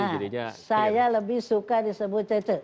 nah saya lebih suka disebut cece